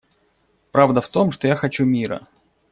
Правда в том, что я хочу мира.